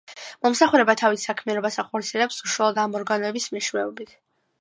მომსახურება თავის საქმიანობას ახორციელებს უშუალოდ ამ ორგანოების მეშვეობით.